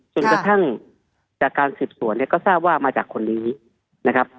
จนกระทั่งจากการสืบสวนเนี่ยก็ทราบว่ามาจากคนนี้นะครับ